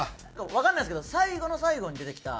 わかんないですけど最後の最後に出てきた